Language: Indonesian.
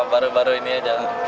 baru baru ini aja